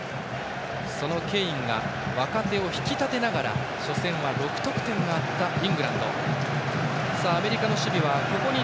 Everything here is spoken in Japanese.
そのケインが若手を引き立てながら初戦は６得点があったイングランド。